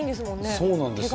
そうなんですよ。